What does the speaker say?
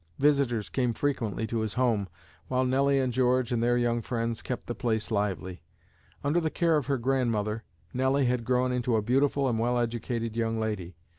Visitors came frequently to his home, while Nelly and George and their young friends kept the place lively. Under the care of her Grandmother, Nelly had grown into a beautiful and well educated young lady.